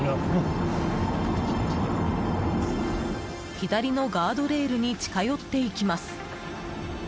左のガードレールに近寄っていきます。